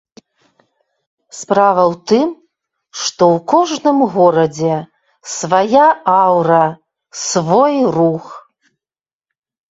Справа ў тым, што ў кожным горадзе свая аўра, свой рух.